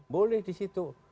boleh di situ